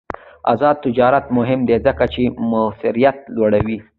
آزاد تجارت مهم دی ځکه چې موثریت لوړوي.